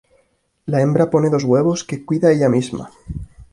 La hembra pone dos huevos, que cuida ella misma.